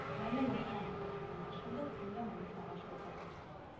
მალე ლომი გამოკეთდა და მას შემდეგ წმინდა მამას აღარ შორდებოდა.